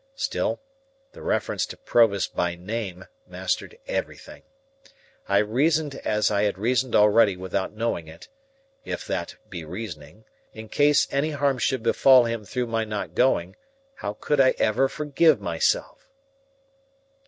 Still, the reference to Provis by name mastered everything. I reasoned as I had reasoned already without knowing it,—if that be reasoning,—in case any harm should befall him through my not going, how could I ever forgive myself!